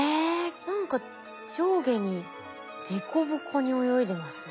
何か上下に凸凹に泳いでますね。